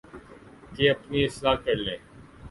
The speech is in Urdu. کہ اپنی اصلاح کر لیں